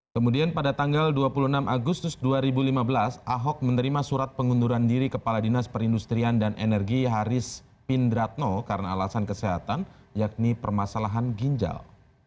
kemudian pada tanggal dua puluh enam agustus dua ribu lima belas ahok menerima surat pengunduran diri kepala dinas perindustrian dan energi haris pindratno karena alasan kesehatan yakni permasalahan ginjal